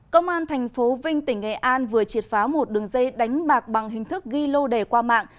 công an tp vinh tỉnh nghệ an vừa triệt phá một đường dây đánh bạc bằng hình thức ghi lô đề qua mạng